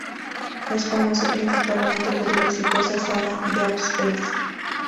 Es famoso principalmente por la exitosa saga "Dead Space".